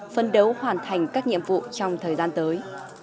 phân đấu hoàn thành các nhiệm vụ trong thời gian tới